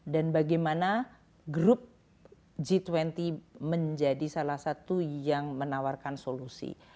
dan bagaimana grup g dua puluh menjadi salah satu yang menawarkan solusi